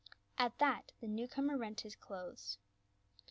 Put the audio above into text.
299 At that the new comer rent his clothes.